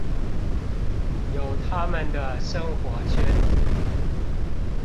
有他們的生活圈子